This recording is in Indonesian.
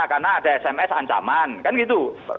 karena ada sms ancaman kan gitu